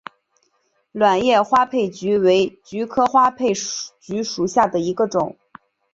卵叶花佩菊为菊科花佩菊属下的一个种。